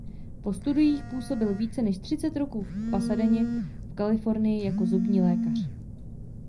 Po studiích působil více než třicet roků v Pasadeně v Kalifornii jako zubní lékař.